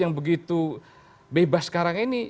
yang begitu bebas sekarang ini